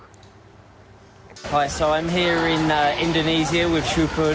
hai jadi saya di indonesia dengan sri pun